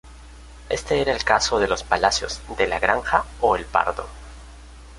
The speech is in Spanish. Este era el caso de los palacios de La Granja o El Pardo.